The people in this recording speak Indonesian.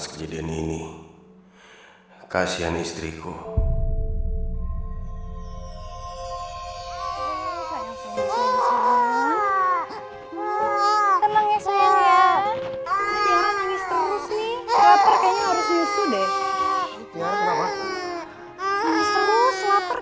sayang kamu cuma habis beribut kamu tenang ya